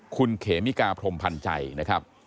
คุณเขมิกาพรมพันธ์ใจนะครับ